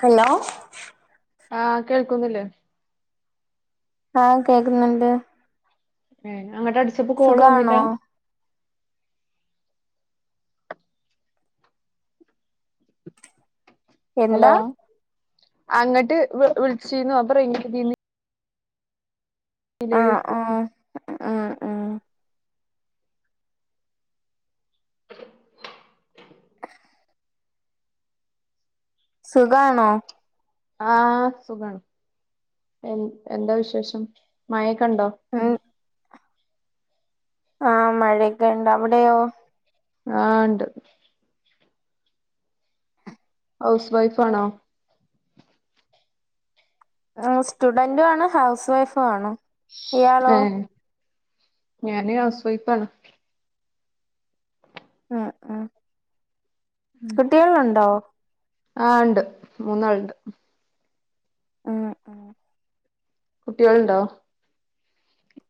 Hello ആ കേൾക്കുന്നില്ലേ. ആ കേക്കുന്നുണ്ട്. എ അങ്ങട്ട് അടിച്ചപ്പോ കോള് സുഖാണോ വന്നില്ലാ. എന്താ? അങ്ങോട്ട് വി വിളിച്ചിന്നു അപ്പ റെയിഞ്ച് കിട്ടി [unintelligible] നിലേക്ക് അ ആ സുഖാണോ? ആ സുഖാണ് എ എന്താ വിശേഷം മഴക്കെ കണ്ടോ ആ മഴയൊക്കെ ഇണ്ട് അവിടെയോ ആ ഇണ്ട് ഹൗസ് വൈഫ് ആണോ ആ സ്റ്റുഡന്റും ആണ് ഹൗസ് വൈഫും ആണ് ഏ ഇയാളോ ഞാന് ഹൗസ് വൈഫ് ആണ്. അ അ കുട്ടിയാളുണ്ടോ? ആ ണ്ട് മൂന്നാളുണ്ട്. ഉം ഉം കുട്ടിയാളുണ്ടോ?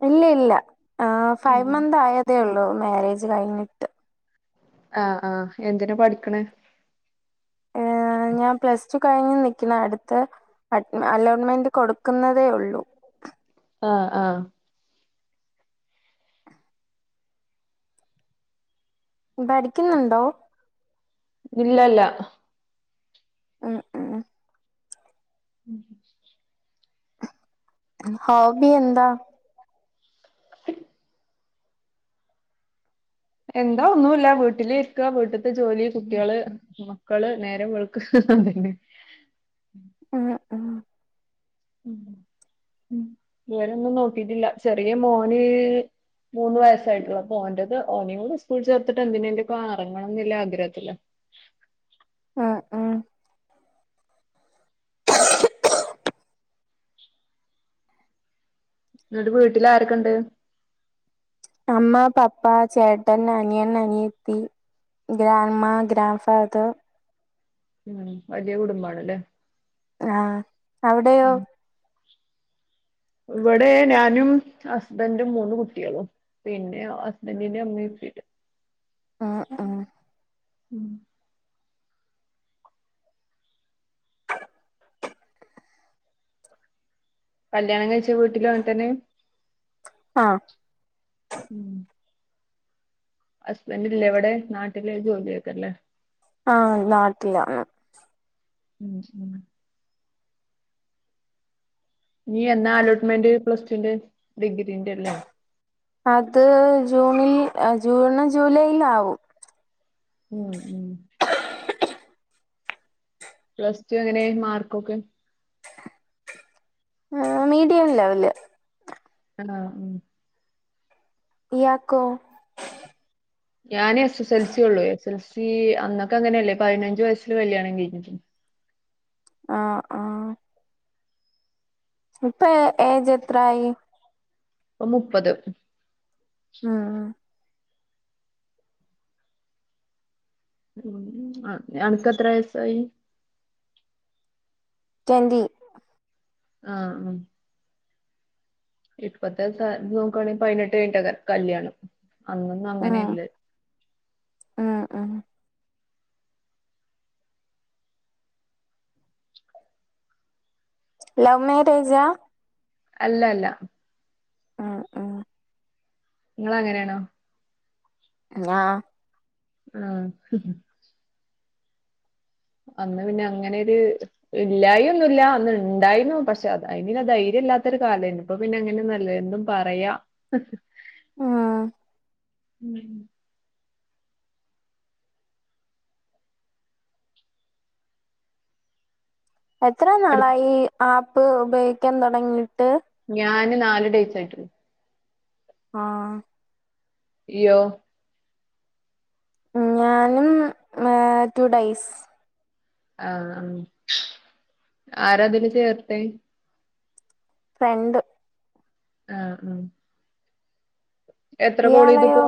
ഇല്ല ഇല്ല ആ ഫൈവ് മന്ത് ആയതേ ഉള്ളൂ മാരേജ് കഴിഞ്ഞിട്ട്. ആഹ് ആഹ് എന്തിനാ പഠിക്കണേ? ഏ ഞാൻ പ്ലസ് ടു കഴിഞ്ഞു നിക്കണെ അടുത്തെ ൻ്റ അലോൺമെന്റ് കൊടുക്കുന്നതേ ഉള്ളൂ. ആ ആ പഠിക്കുന്നുണ്ടോ? ഇല്ലല്ല. ഉം ഉം ഉം ഹോബി എന്താ? [unintelligible] എന്താ ഒന്നുല്ല വീട്ടില് ഇരിക്ക വീട്ട്ത്തെ ജോലി കുട്ടിയാള് മക്കള് നേരം വെളുക്ക അതന്നെ ഉം ഉം ഉം ഉം വേറൊന്നും നോക്കിട്ടില്ല. ചെറിയ മോന് മൂന്ന് വയസായിട്ടുള്ളൂ അപ്പോ ഓന്റേത് ഓനെ കൂടി സ്കൂളിൽ ചേർത്തിട്ട് എന്തിനൊക്കെ എറങ്ങണം എന്നുള്ള ആഗ്രഹത്തിലാ. ആ ആ [unintelligible] എന്നിട്ട് വീട്ടില് ആരൊക്കെണ്ട്? അമ്മ പപ്പ ചേട്ടൻ അനിയൻ അനിയത്തി. Grandma grandfather. ഉം വലിയ കുടുംബാണല്ലേ. ആ അവിടെയോ? ഉം ഇവിടെ ഞാനും ഹസ്ബന്റും മൂന്ന് കുട്ടിയാളും പിന്നെ ഹസ്ബന്റിന്റെ ഇമ്മയും ആ ആ ഉം കല്യാണം കഴിച്ച വീട്ടിലും അങ്ങനെത്തന്നെ. ആ ഉം ഹസ്ബന്റ് ഇല്ലേ ഇവിടെ നാട്ടില് ജോലിയൊക്കെല്ലേ ആ നാട്ടിലാണ്. ഉം ഉം ഇനി എന്നാ അലോട്ട്മെന്റ് പ്ലസ് ടൂന്റെ? അത് ജൂണിൽ ജൂണ് ജൂലൈയിൽ ആവും. ഉം ഉം പ്ലസ് ടു എങ്ങനെ മാർക്കൊക്കെ? ആ മീഡിയം ലെവല്. ആണോ ഉം ഇയാക്കൊ? ഞാൻ. എസ്. എസ്. എൽ. സി. ഉള്ളൂ.. എസ്ൽ സി. അന്നൊക്കെ ങ്ങനെയല്ലേ പതിനഞ്ചു വയസ്സിൽ കല്യാണം കഴിഞ്ഞി.. ആഹ് ആഹ് ഇപ്പാ.. ഏജ്. എത്രായി പ്പ. മുപ്പത്. ആ. ആ,, ഉം. ഉം അ.. അനക്ക് എത്ര വയസായി [unintelligible] ആ, ഹ, ആം, ഇപ്പത്തെ സാഹചര്യം നോക്കുവാണെങ്കിൽ പതിനെട്ട് കഴിഞ്ഞട്ടായിരിക്കും. കല്യാണം അന്നൊന്നും ഉം അങ്ങനെ ഇല്ല ഉം ഉം ലൗ. മേരേജാ അല്ല. അല്ല ഉം ഉം നിങ്ങൾ അങ്ങനെ യാണോ ഹ സ്വന്തം ആണ് ആ. ഹ് അന്ന് പിന്നെ അങ്ങനെൊരു ഇല്ലായിഒന്നുമില്ല അന്ന് ഇണ്ടായിന്നു പക്ഷെ അതിനുള്ള ധൈര്യം ഇല്ലായിരുന്നു ധൈര്യം ഇല്ലാത്തൊരു കാലം ആയിരുന്നു ഇപ്പൊ പിന്നെ അങ്ങനെന്നു അല്ല എന്തും പറയാ. ഹ് ആഹ. ഉം.. എത്ര അടു നാളായി ഈ ആപ്പ് ഉപയോഗിക്കൻ. തൊടങ്ങിട്ട് ഞാന്. നാല്. ഡൈസ്. ആയിട്ട് ആഹ.. നീ യോ മ്. ഞാനും. രണ്ടു ദിവസം ആയിട്ടുള്ളു ആഹ ആ ആരതിൽ.. ചേർത്തെ ഫ്രണ്ട്.. ആഹ ആഹ.. എത്ര. കാൾ ചെയ്ത് ഇപ്പൊ ഇയാളെയോ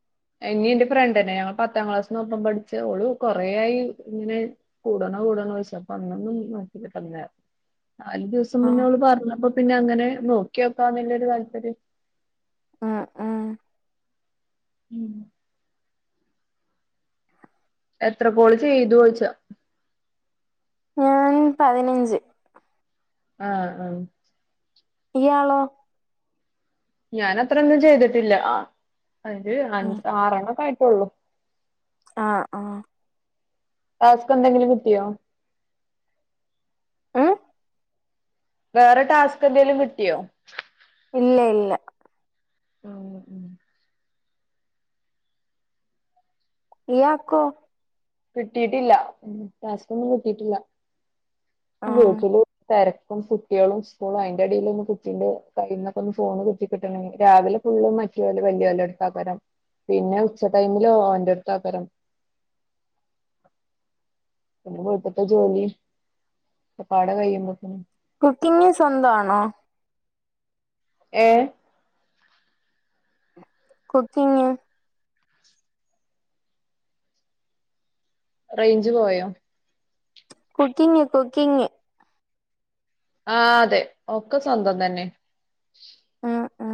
- എന്നെയും എന്റെ ഫ്രണ്ട തന്നെ ഞങ്ങൾ പത്താം ക്ലാസ് ഒപ്പം പഠിച്ച ഓള് കുറെ ആായി ഇങ്ങനെ കൂടണോ ചോദിക്കുന്നു കൂടണം കൂടണോ ചോദിച്ചു അന്നൊന്നും നോക്കിട്ട് ഇല്ലായിരുന്നു പറഞ്ഞരുന്നു [unintelligible] നാല് ദി [unintelligible] വസം ആഹ് മുന്നെ പറഞ്ഞപ്പ പിന്നെ അങ്ങനെ നോകിയൊക്കെ എന്നൊരു താല്പര്യം ആഹ ആഹ ഉം.. എത്ര. കോള്. ചെയ്തു. ചോദിച്ചതാണ് ഞാൻ. പതിനഞ്ച്. ആഹ ആഹ ഇയാളോ ഞാൻ അത്രൊന്നും ചെയ്തിട്ടില്ല അഞ്ച്. ആറണ്ണം ആയി കൊള്ളു.. ആഹ ആഹ.. ടാസ്ക് എന്തെങ്കിലും കിട്ടിയോ ഉം വേറെ ടാസ്ക് എന്തെേലും കിട്ടിയോ ഇല്ല. ഇല്ല. ഉ ഉം.. ഇയാക്കോ.. കിട്ടിട്ടില്ല. ടാസ്ക്കൊന്നു കിട്ടീട്ടില്ല. ആഹ് [unintelligible] ഇപ്പൊ കുട്ടികളും സ്കൂളും അതിന്റെ ഇടയിൽ കുട്ടീന്റെ കയ്യിന്നെകെ ഒന്ന് ഫോണ്കിട്ടി. കിട്ടണ്ടെ. രാവിലെ. ഫുള്ള്. മ [unintelligible] വലിയ കുട്ടികളെ അടുത്തായിരിക്കും. പിന്നെ ഉച്ച ടൈമില് ഓന്റെ അടുത്താക്കരം. പിന്നെ വീട്ടിലെ ജോലി ഒക്കെപടെ കഴിയുമ്പോക്കെ കുക്കിങ് സ്വന്തം ആണോ ചെയ്യുന്നത് ഏ കുക്കിങ് റേഞ്ച് പോയോ കുക്കിങ് കുക്കിങ് ആ തെ ഒക്ക സ്വന്തം തന്നെ അ ആ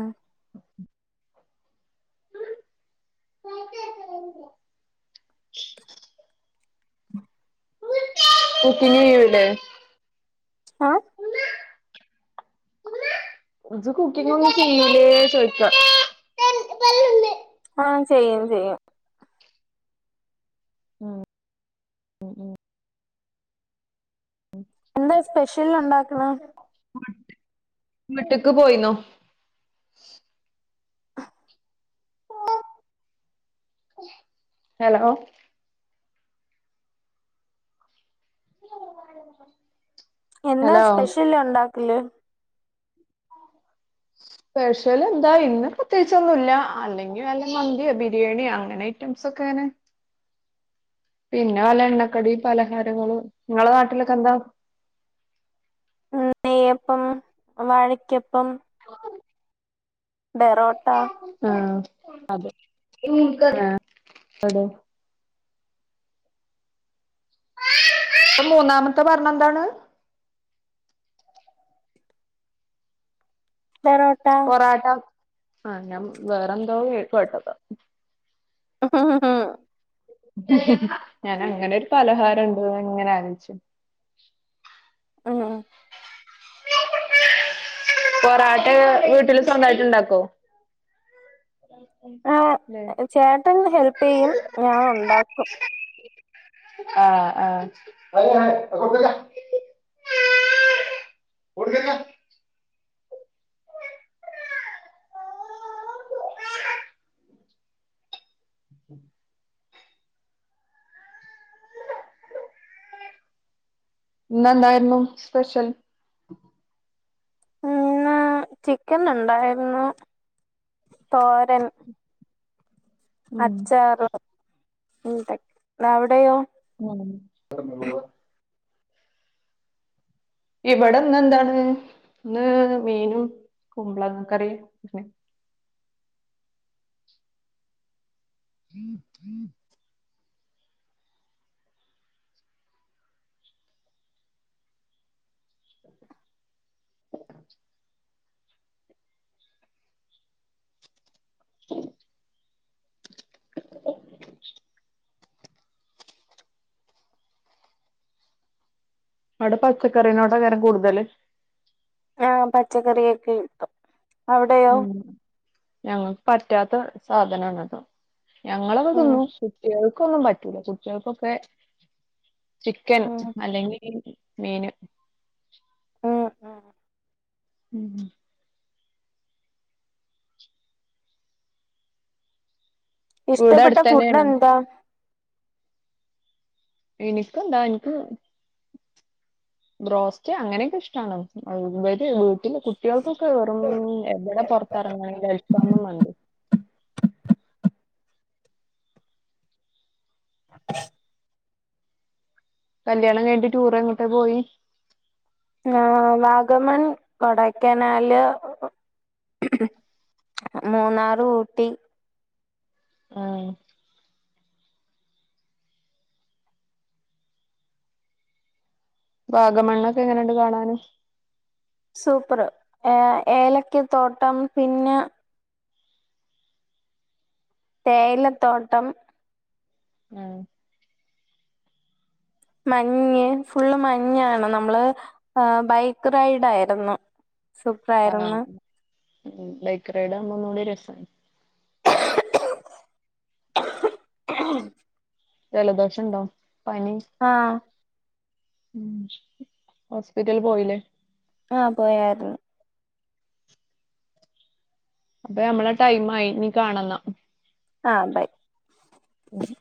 കുക്കിങ്ങെയ്യുലെ ആ ഇജ് കുക്കിങ്ങൊന്നും ചെയ്യൂലെ ചോയ്ക്ക ആഹ ചെയ്യും ചെയ്യും ഉം ഉ ഉ എന്താ സ്പെഷ്യൽ ഉണ്ടാക്ക്ണ് മ്മ്ട്ടക്ക് പോയിന്നോ ഹലോ [unintelligible] എന്താ ഹലോ സ്പെഷ്യല് ഉണ്ടാക്കല് സ്പെഷലെ ന്താ ഇന്ന് പ്രത്യേകിചൊന്നുംല്ല അല്ലെങ്കി വല്ല മന്ത്യോ ബിരിയാണിയാ അങ്ങനെ ഐറ്റംസൊക്കെ അങ്ങനെ പിന്നെ വല്ല എണ്ണക്കടി പലഹാരങ്ങള് നിങ്ങളെ നാട്ടിലൊക്കെ എന്താ നെയ്യപ്പം വാഴക്കപ്പം ഓ ബെറോട്ട ആഹ് അതെ [unintelligible] അവ്ടെ ഇപ്പ മൂന്നാമത്തെ പർനെ ന്താണ് പെറോട്ട ആഹ ഞാൻ വേറെന്തോ കേ കേട്ടത് ആഹ ഹഹ ഞൻ അങ്ങനെൊരു പലഹാരണ്ട്ന്ന് ങ്ങനെ ആലോയ്ച്ചു ഉം പൊറാട്ട വീട്ടില് സ്വന്തായ്ട്ട്ണ്ടാക്കോ ആ ചേട്ടൻ ഹെൽപെയ്യും ഞാൻ ഉണ്ടാക്കും ആഹ ആഹ് [unintelligible] ഓടിക്കൾക അ ഇന്നെന്തായ്രുന്നു സ്പെഷൽ ഇന്ന് ചിക്കന്ണ്ടായിരുന്നു തോരൻ ഉം അച്ചാറ് [unintelligible] അവിടെയോ ഉം ഇവടെ ഇന്നെന്താണ് ഇന്ന് മീനു കുമ്പ്ളക്കറീം പിനെ ഉം ഉം കൊ കാ ച്ചു അവടെ പച്ചക്കറീനോടെല്ലാരും കൂട്തല് ആഹ പച്ചക്കറിയൊക്കേം പ ഉം ഞങ്ങക്ക് പറ്റാത്ത സാധനണത് ഞങ്ങളൊക്കെ ഉം തിന്നും കുട്ട്യേൾക്കൊന്നും പറ്റൂല കുട്ട്യേൾക്കൊക്കെ ചിക്കൻ ഉം അല്ലെങ്കിൽ മീന് ഉം ഉ ഉം. ഇവിടെ ഇഷ്ടപ്പെട്ട അടുത്തന്നെയാണ് ഫുഡെന്താ എനിക്കെന്താ എൻക്ക് ബ്രോസ്റ്റ് അങ്ങനൊക്കെ ഇഷ്ട്ടാണ് [unintelligible] ഇല്ല കുട്ട്യേൾക്കൊക്കെ എറും എവടെ പൊറത്തെറങ്ങെണെങ്കിലും അൽഫാമും മന്തീം കല്യാണം കഴിഞ്ഞിട്ട് ടൂർങ്ങോട്ട് പോയി ആ വാഗമൺ കൊടക്കനാല് മൂന്നാറ് ഊട്ടി ഉം വാഗമണ്ണൊക്കെ എങ്ങനെയണ്ട് കാണാനാന് സൂപ്പർ ഏ ഏലക്ക തോട്ടം പിന്നെ തേയിലത്തോട്ടം ആ മഞ്ഞ് ഫുള്ള് മഞ്ഞാണ് നമ്മള് ബൈക്ക് റൈഡ് ആയിരുന്നു സൂപ്പർ ആയിരുന്നു ഉം ബൈക്ക് റൈഡ് ആകുമ്പോ ഒന്നുടെ രസം [inaudible] ജലദോഷ ഉണ്ടോ പനി ആഹ് ഉം ഹോസ്പിറ്റൽ പോയില്ലേ ആഹ പോയരുന്നു അപ്പൊ നമ്മളെ ടൈം ആയി നീ കാണന്ന ആഹ ബൈ മം